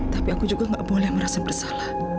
tapi aku juga gak boleh merasa bersalah